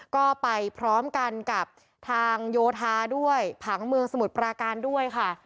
ก็ไปพร้อมกันกับทางโยธาด้วยผังเมืองสมุทรปราการด้วยค่ะ